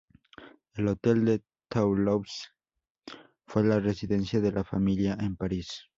El "Hôtel de Toulouse" fue la residencia de la familia en París.